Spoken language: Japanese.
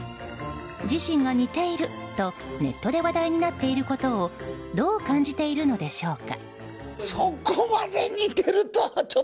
自身が似ているとネットで話題になっていることをどう感じているのでしょうか。